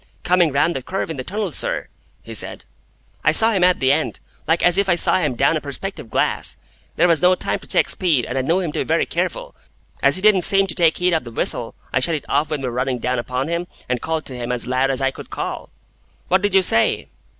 "Coming round the curve in the tunnel, sir," he said, "I saw him at the end, like as if I saw him down a perspective glass. There was no time to check speed, and I knew him to be very careful. As he didn't seem to take heed of the whistle, I shut it off when we were running down upon him, and called to him as loud as I could call." "What did you say?"